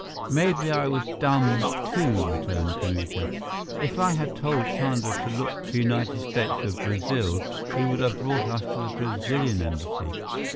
"Maybe I was dumb, too," returned Kamuka. "If I had told Chandra to look for United States of Brazil, he would have brought us to the Brazilian Embassy.